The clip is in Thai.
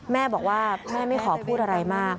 แม่บอกว่าแม่ไม่ขอพูดอะไรมาก